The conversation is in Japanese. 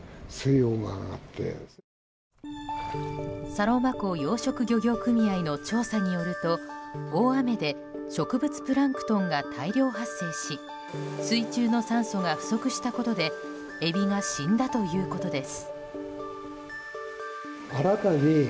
サロマ湖養殖漁業組合の調査によると大雨で植物プランクトンが大量発生し水中の酸素が不足したことでエビが死んだということです。